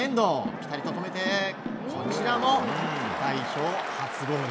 ぴたりと止めてこちらも代表初ゴール。